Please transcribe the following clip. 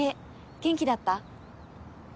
元気だった？